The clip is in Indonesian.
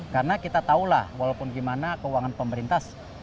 karena kita tahulah walaupun gimana keuangan pemerintah sedang dipilih